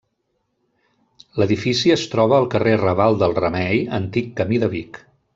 L'edifici es troba al carrer Raval del Remei, antic camí de Vic.